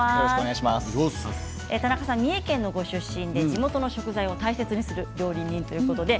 田中さん、三重県のご出身で地元の食材を大切にする料理人です。